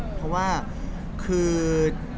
เพราะว่าคือ